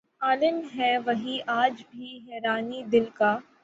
عالم ہے وہی آج بھی حیرانئ دل کا